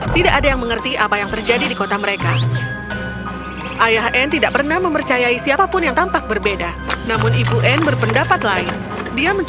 tidak ada yang mengerti apa yang terjadi di kota mereka